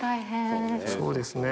そうですね。